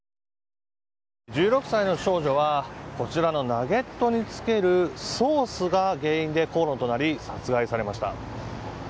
１６歳の少女はこちらのナゲットにつけるソースが原因で口論となり、殺害されました。